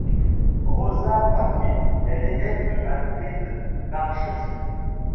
Rosa Papier est l’élève de Mathilde Marchesi.